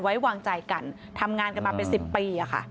ไว้วางใจกันทำงานกันมาเป็น๑๐ปี